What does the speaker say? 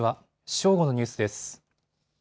正午のニュースです。